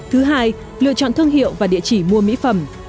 thứ hai lựa chọn thương hiệu và địa chỉ mua mỹ phẩm